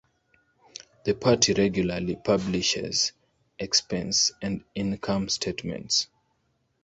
The party regularly publishes expense and income statements.